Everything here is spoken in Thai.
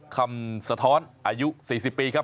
สะท้อนอายุ๔๐ปีครับ